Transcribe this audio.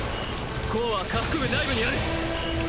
コアは下腹部内部にある。